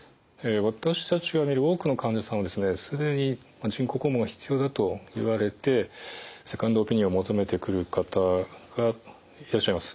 私たちが診る多くの患者さんはですね既に人工肛門が必要だと言われてセカンドオピニオンを求めてくる方がいらっしゃいます。